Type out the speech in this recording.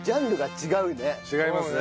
違いますね。